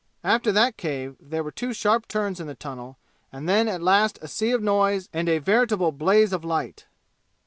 After that cave there were two sharp turns in the tunnel, and then at last a sea of noise and a veritable blaze of light.